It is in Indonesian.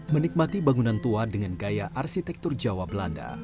menikmati bangunan tua dengan gaya arsitektur jawa belanda